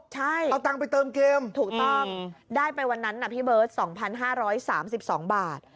ใช่เอาตังไปเติมเกมถูกต้องได้ไปวันนั้นน่ะพี่เบิร์ทสองพันห้าร้อยสามสิบสองบาท